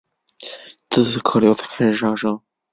自此客流开始上升。